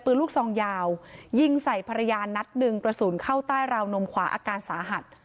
ลูกซองยาวยิงใส่ภรรยานัดหนึ่งกระสุนเข้าใต้ราวนมขวาอาการสาหัส